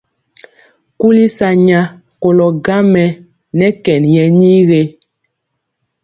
Kuli sa nya kolɔ gaŋ mɛ nɛ kɛn yɛ nii ge?